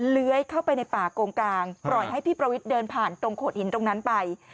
เลื้อยเข้าไปในป่าโกงกลางปล่อยให้พี่ประวิทย์เดินผ่านตรงโขดหินตรงนั้นไป